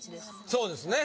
そうですね